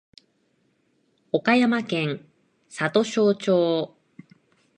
岡山県里庄町